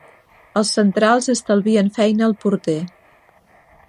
Els centrals estalvien feina al porter.